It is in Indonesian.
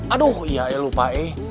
aduh ya lupa